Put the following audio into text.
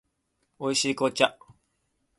美味しい紅茶